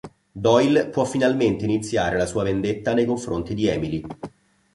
Doyle può finalmente iniziare la sua vendetta nei confronti di Emily.